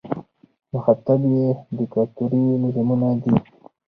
مخاطب یې دیکتاتوري نظامونه دي.